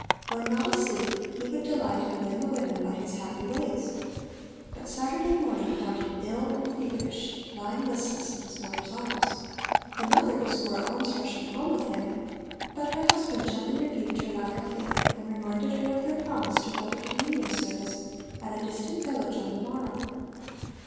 When not asleep he would delight and win the women by his happy ways. But Saturday morning found him ill and feverish, lying listless in his mother's arms. The mother was for at once rushing home with him, but her husband gently rebuked her lack of faith, and reminded her of their promise to hold a communion service at a distant village on the morrow.